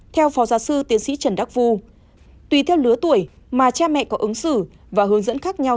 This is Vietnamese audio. theo phó giáo sư tiến sĩ trần đắc phu tùy theo lứa tuổi mà cha mẹ có ứng xử và hướng dẫn khác nhau